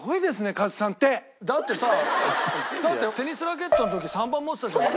だってさだってテニスラケットの時３番持ってたじゃん。